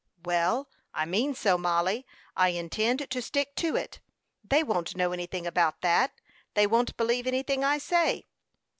"Well, I mean so, Mollie. I intend to stick to it. They won't know anything about that. They won't believe anything I say."